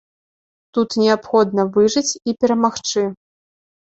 Тут неабходна выжыць і перамагчы.